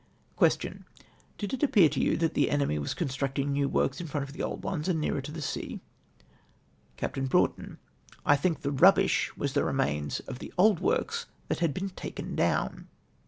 Question. —" Did it appear to you that the enemy was constructing new works in front of the old ones, and nearer to the sea ?" Capt. Broughton. — "I think the rubbish was the remains of the old works that haA been taken down.